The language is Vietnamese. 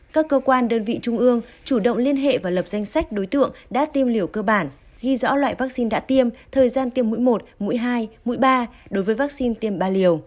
các cơ quan đơn vị trung ương chủ động liên hệ và lập danh sách đối tượng đã tiêm liều cơ bản ghi rõ loại vaccine đã tiêm thời gian tiêm mũi một mũi hai mũi ba đối với vaccine tiêm ba liều